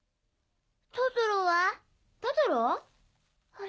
トトロは？